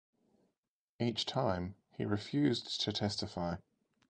Each time, he refused to testify.